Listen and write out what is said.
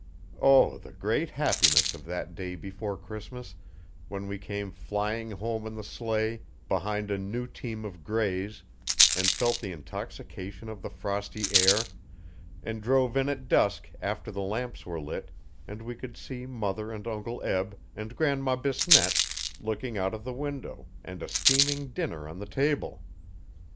O, the great happiness of that day before Christmas when we came flying home in the sleigh behind a new team of greys and felt the intoxication of the frosty air, and drove in at dusk after the lamps were lit and we could see mother and Uncle Eb and Grandma Bisnette looking out of the window, and a steaming dinner on the table!